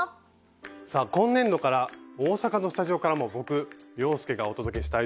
さあ今年度から大阪のスタジオからも僕洋輔がお届けしたいと思います。